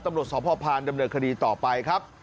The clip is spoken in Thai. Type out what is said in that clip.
ตำรวจสพพานดำเนินคดีต่อไปครับ